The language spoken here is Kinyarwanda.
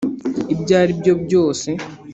ibyo ari byo byose.